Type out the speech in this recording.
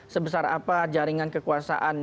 sebesar apa jaringan kekuasaan